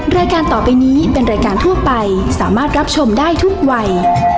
รายการต่อไปนี้เป็นรายการทั่วไปสามารถรับชมได้ทุกวัย